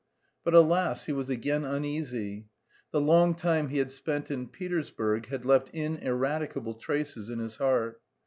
But alas! he was again uneasy. The long time he had spent in Petersburg had left ineradicable traces in his heart.